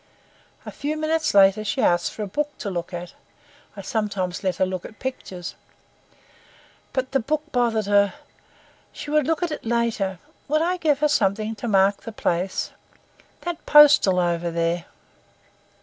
A few minutes later she asked for a book to look at—I sometimes let her look at pictures. But the book bothered her—she would look at it later; would I give her something to mark the place—that postal over there.